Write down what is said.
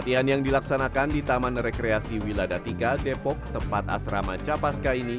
latihan yang dilaksanakan di taman rekreasi wiladatika depok tempat asrama capaska ini